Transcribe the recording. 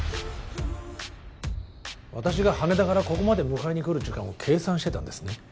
私が羽田からここまで迎えに来る時間を計算してたんですね？